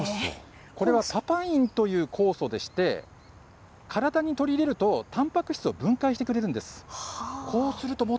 これはパパインという酵素でして、体に取り入れると、たんぱく質を分解してくれるんです。